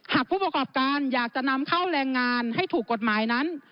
ผู้ประกอบการอยากจะนำเข้าแรงงานให้ถูกกฎหมายนั้น